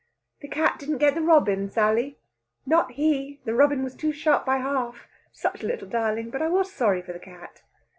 "The cat didn't get the robin, Sally?" "Not he! The robin was too sharp by half. Such a little darling! But I was sorry for the cat."